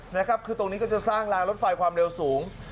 นะครับคือตรงนี้ก็จะสร้างรางรถไฟความเร็วสูง